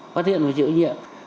phát hiện và chịu nhiệm